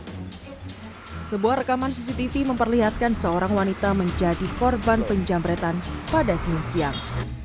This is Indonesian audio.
hai sebuah rekaman cctv memperlihatkan seorang wanita menjadi korban penjambretan pada siang